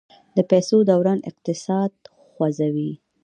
د پیسو دوران اقتصاد خوځوي.